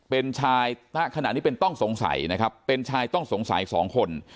เป็นชายณขณะนี้เป็นต้องสงสัยนะครับเป็นชายต้องสงสัยสองคน